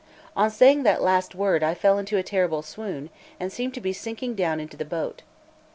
On saying that last word, I fell into a terrible swoon, and seemed to be sinking down into the boat.